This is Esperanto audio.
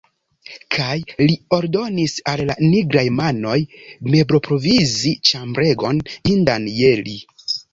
Kaj li ordonis al la nigraj manoj mebloprovizi ĉambregon, indan je li.